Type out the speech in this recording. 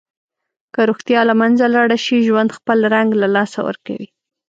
که روغتیا له منځه لاړه شي، ژوند خپل رنګ له لاسه ورکوي.